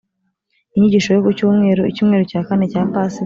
inyigisho yo ku cyumweru, icyumweru cya kane cya pasika